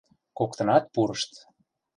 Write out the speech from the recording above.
Коктынат пурышт.